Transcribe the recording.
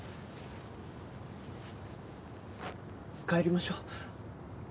帰りましょう。